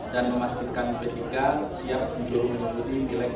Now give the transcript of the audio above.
dan memastikan p tiga siap di mengikuti milik dua ribu sembilan belas